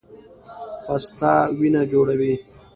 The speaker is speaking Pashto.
پسته وینه جوړوي